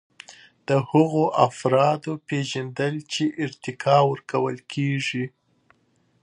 د هغو افرادو پیژندل چې ارتقا ورکول کیږي.